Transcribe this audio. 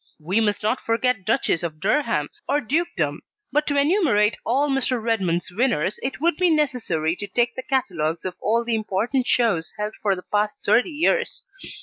We must not forget Duchess of Durham or Dukedom; but to enumerate all Mr. Redmond's winners it would be necessary to take the catalogues of all the important shows held for the past thirty years.